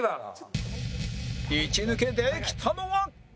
一抜けできたのは